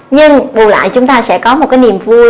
nhưng bù lại chúng ta sẽ có một cái niềm vui